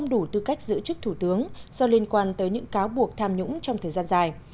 đủ tư cách giữ chức thủ tướng do liên quan tới những cáo buộc tham nhũng trong thời gian dài